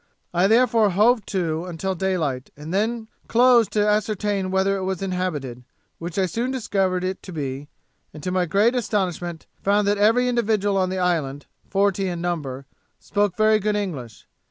I therefore hove to, until daylight, and then closed to ascertain whether it was inhabited, which I soon discovered it to be, and, to my great astonishment, found that every individual on the island (forty in number), spoke very good English.